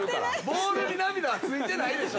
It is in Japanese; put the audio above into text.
ボールに涙はついてない。